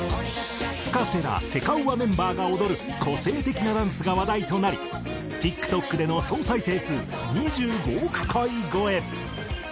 Ｆｕｋａｓｅらセカオワメンバーが踊る個性的なダンスが話題となりＴｉｋＴｏｋでの総再生数２５億回超え。